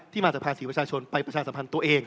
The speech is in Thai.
มาจากภาษีประชาชนไปประชาสัมพันธ์ตัวเอง